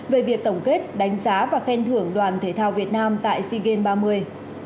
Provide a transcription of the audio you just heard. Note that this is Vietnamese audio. về việc tổng kết đánh giá và khen thưởng đoàn thể thao việt nam tại sea games ba mươi